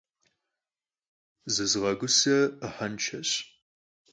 Zızığeguse 'ıhenşşeş.